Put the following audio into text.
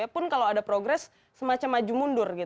pun kalau ada progres semacam maju mundur